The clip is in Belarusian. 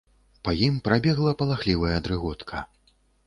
Па ім прабегла палахлівая дрыготка.